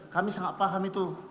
kami sangat paham itu